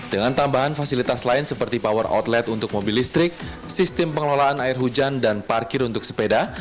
dengan tambahan fasilitas lain seperti power outlet untuk mobil listrik sistem pengelolaan air hujan dan parkir untuk sepeda